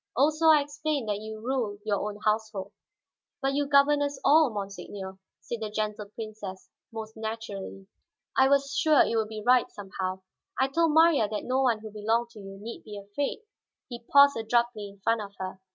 Also I explained that you rule your own household." "But you govern us all, monseigneur," said the Gentle Princess, most naturally. "I was sure it would be right somehow; I told Marya that no one who belonged to you need be afraid." He paused abruptly in front of her.